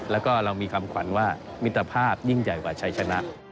แล้วก็เรามีคำขวัญว่ามิตรภาพยิ่งใหญ่กว่าชัยชนะ